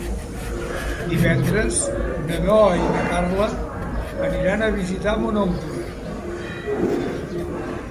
Divendres na Noa i na Carla aniran a visitar mon oncle.